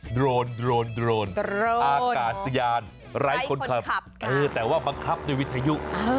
ดรนอากาศยานไลฟ์คนขับกลางออกเดี๋ยวว่ามังคับในวิทยุ